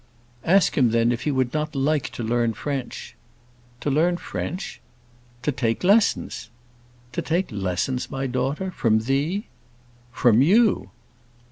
"Ask him, then, if he would not like to learn French." "To learn French?" "To take lessons." "To take lessons, my daughter? From thee?" "From you!"